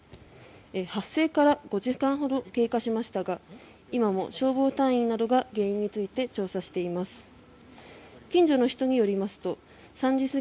発生から５時間ほど経過しましたが今も消防隊員などが原因について調査しています。